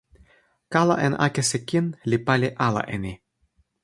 kala en akesi kin li pali ala e ni.